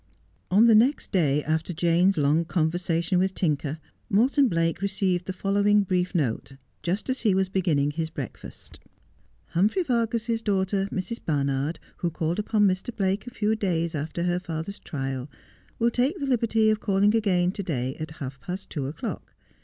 On the next day after Jane's long conversation with Tinker, Morton Blake received the following brief note, just as he was beginning his breakfast :—' Humphrey Vargas's daughter, Mrs. Barnard, who called upon Mr. Blake a few days after her father's trial, will take the liberty of calling again to day at half past two o'clock.